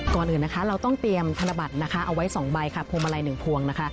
ก่อนอื่นนะคะเราต้องเตรียมธนบัตรนะคะเอาไว้๒ใบค่ะพวงมาลัย๑พวงนะคะ